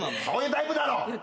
そういうタイプだろ！